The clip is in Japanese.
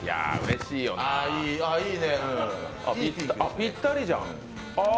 ぴったりじゃん。